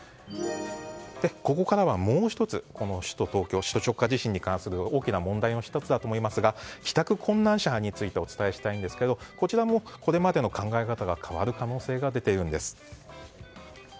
ここからはもう１つ首都直下地震に関する大きな問題の１つだと思いますが帰宅困難者についてお伝えしたいんですがこちらもこれまでの考え方が変わる可能性が出ているんです。